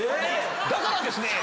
「だからですね」。